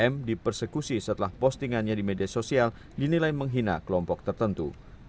m dipersekusi setelah postingannya di media sosial dinilai menghina kelompok tertentu